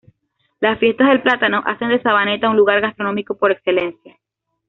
Las fiestas del plátano hacen de Sabaneta un lugar gastronómico por excelencia.